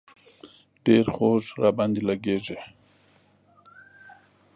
ډېر خواږه را باندې لږي.